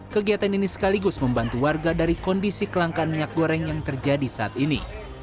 kegiatan ini sekaligus membantu warga dari kondisi kelangkaan minyak goreng yang terjadi saat ini